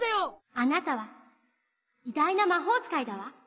あなたは偉大な魔法使いだわ。